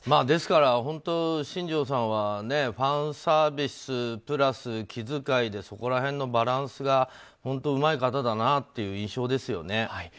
ですから本当、新庄さんはファンサービスプラス気遣いでそこら辺のバランスが本当にうまい方だなという印象ですよね。